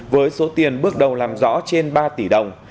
với số tiền bước đầu làm rõ trên ba tỷ đồng